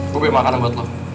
gue beli makanan buat lo